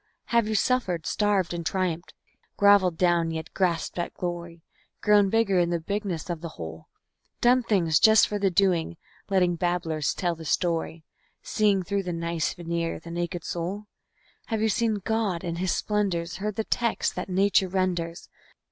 Have you suffered, starved and triumphed, groveled down, yet grasped at glory, Grown bigger in the bigness of the whole? "Done things" just for the doing, letting babblers tell the story, Seeing through the nice veneer the naked soul? Have you seen God in His splendors, heard the text that nature renders?